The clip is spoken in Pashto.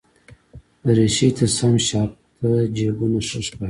دریشي ته سم شاته جېبونه ښه ښکاري.